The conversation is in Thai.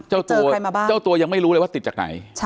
เจ้าตัวยังไม่รู้เลยว่าติดจากไหน